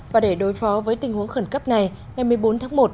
và để đối phó với tình huống khẩn cấp này ngày một mươi bốn tháng một